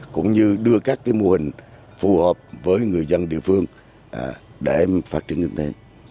cũng như đưa các mô hình phù hợp với người dân địa phương để phát triển như thế